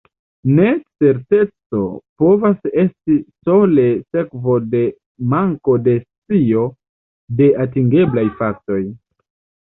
Necerteco povas esti sole sekvo de manko de scio de atingeblaj faktoj.